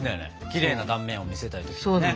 きれいな断面を見せたい時とかね。